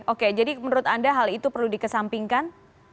oke jadi menurut anda hal itu perlu dikesampingkan